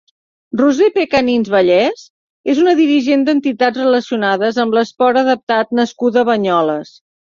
Roser Pecanins Vallès és una dirigent d'entitats relacionades amb l'esport adaptat nascuda a Banyoles.